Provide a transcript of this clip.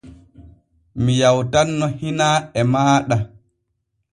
Mi yawtanno hinaa e maaɗa.